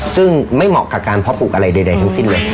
ซึ่งไม่เหมาะกับการเพาะปลูกอะไรใดทั้งสิ้นเลย